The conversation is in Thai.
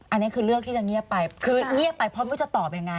อันนี้คือเลือกที่จะเงียบไปคือเงียบไปเพราะไม่รู้จะตอบยังไง